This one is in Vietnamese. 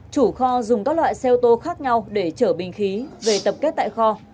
chủ kho dùng các loại xe ô tô khác nhau để chở bình khí về tập kết tại kho